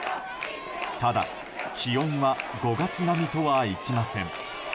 ただ、気温は５月並みとはいきません。